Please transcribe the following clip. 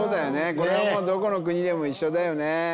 これはもうどこの国でも一緒だよね。